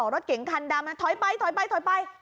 รถเก๋งคันดำถอยไปถอยไปถอยไป